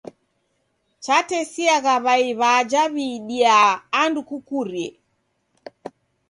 Chatesiagha w'ai w'aja w'iidiaa andu kukurie.